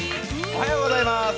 おはようございます。